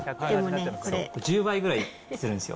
１０倍ぐらいするんですよ。